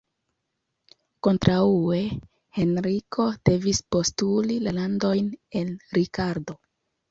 Kontraŭe, Henriko devis postuli la landojn el Rikardo.